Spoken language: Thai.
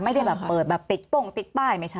ไม่ได้แบบเปิดแบบติดโป้งติดป้ายไม่ใช่